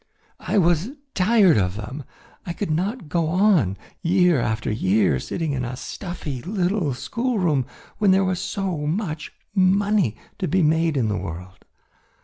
I was tired of them. I could not go on year after year sitting in a stuffy little schoolroom when there was so much money to be made in the world.